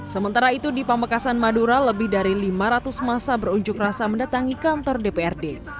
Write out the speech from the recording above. sementara itu di pamekasan madura lebih dari lima ratus masa berunjuk rasa mendatangi kantor dprd